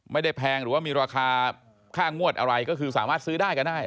แพงหรือว่ามีราคาค่างวดอะไรก็คือสามารถซื้อได้ก็ได้